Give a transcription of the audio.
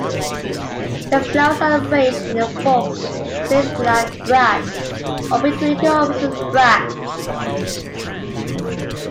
The flowers are arranged in a forked, spathe-like bract or between two opposite bracts.